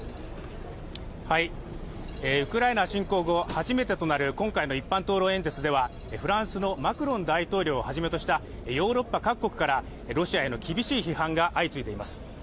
ウクライナ侵攻後、初めてとなる今回の一般討論演説ではフランスのマクロン大統領を初めとしたヨーロッパ各国からロシアへの厳しい批判が相次いでいます。